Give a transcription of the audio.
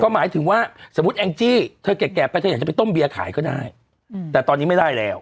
หมายถึงว่าสมมุติแองจี้เธอแก่ไปเธออยากจะไปต้มเบียร์ขายก็ได้แต่ตอนนี้ไม่ได้แล้ว